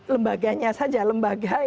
lembaganya saja lembaga ini